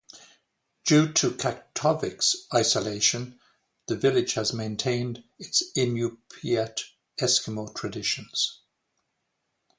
Due to Kaktovik's isolation, the village has maintained its Inupiat Eskimo traditions.